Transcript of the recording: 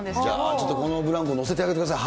ちょっとこのブランコ、乗せてあげてください。